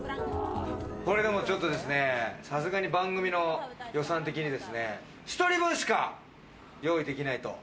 これでもちょっとですね、番組の予算的にですね、１人分しか用意できないと。